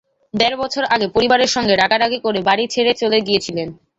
দেড় বছর আগে পরিবারের সঙ্গে রাগারাগি করে বাড়ি ছেড়ে চলে গিয়েছিলেন।